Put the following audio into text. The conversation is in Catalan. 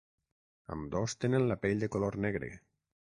Ambdós tenen la pell de color negre.